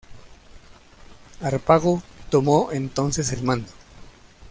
Harpago tomó entonces el mando.